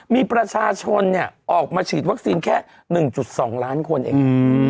มีประชาชนออกมาฉีดวัคซีนแค่๑๒ล้านคนเอง